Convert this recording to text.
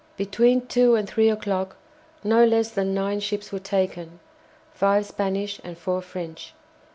Between two and three o'clock no less than nine ships were taken, five Spanish and four French.